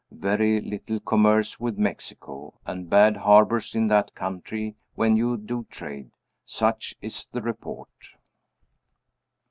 Very little commerce with Mexico, and bad harbors in that country when you do trade. Such is the report.